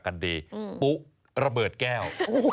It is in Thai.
การปลุ๊กระเบิดแก้ว